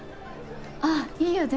あっいいよ全然！